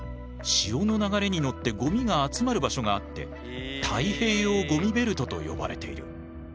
潮の流れに乗ってごみが集まる場所があって太平洋ごみベルトと呼ばれている。